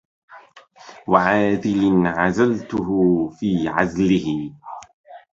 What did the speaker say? وعاذل عذلته في عذله